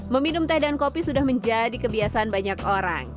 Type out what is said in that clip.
meminum teh dan kopi sudah menjadi kebiasaan banyak orang